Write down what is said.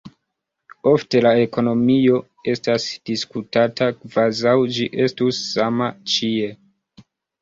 Ofte la ekonomio estas diskutata kvazaŭ ĝi estus sama ĉie.